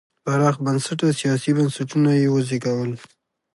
پراخ بنسټه سیاسي بنسټونه یې وزېږول.